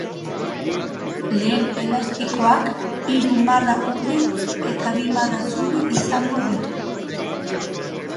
Lehen elastikoak hiru marra urdin eta bi marra zuri izango ditu.